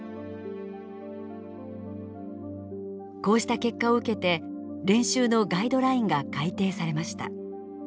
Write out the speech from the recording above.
こうした結果を受けて練習のガイドラインが改訂されました。